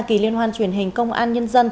kỳ liên hoan truyền hình công an nhân dân